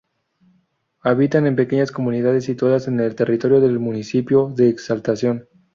Habitan en pequeñas comunidades situadas en el territorio del municipio de Exaltación.